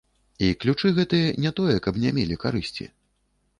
І ключы гэтыя не тое, каб не мелі карысці.